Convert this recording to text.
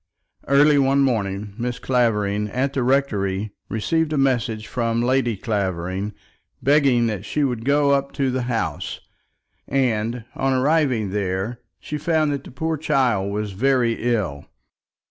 Early one morning, Mrs. Clavering, at the rectory, received a message from Lady Clavering, begging that she would go up to the house, and, on arriving there, she found that the poor child was very ill.